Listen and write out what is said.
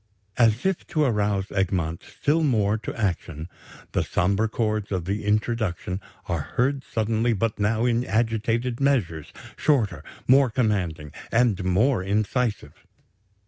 As if to arouse Egmont still more to action, the sombre chords of the introduction are heard suddenly, but now in agitated measures, shorter, more commanding, and more incisive.